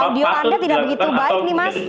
audio anda tidak begitu baik nih mas